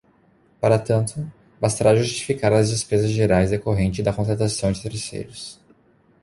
Para tanto, bastará justificar as despesas gerais decorrentes da contratação de terceiros.